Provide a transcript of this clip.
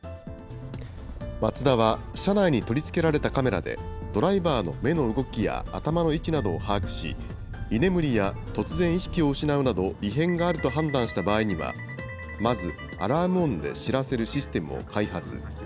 マツダは車内に取り付けられたカメラで、ドライバーの目の動きや頭の位置などを把握し、居眠りや突然意識を失うなど異変があると判断した場合には、まず、アラーム音で知らせるシステムを開発。